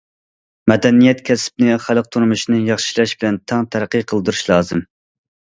مەدەنىيەت كەسپىنى خەلق تۇرمۇشىنى ياخشىلاش بىلەن تەڭ تەرەققىي قىلدۇرۇش لازىم.